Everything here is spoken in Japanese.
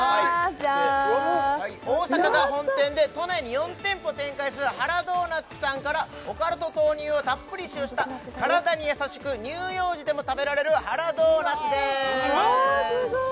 じゃーん大阪が本店で都内に４店舗展開するはらドーナッツさんからオカラと豆乳をたっぷり使用した体に優しく乳幼児でも食べられるはらドーナッツですわあすごーい！